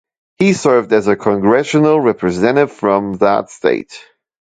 He served as Congressional Representative from that state.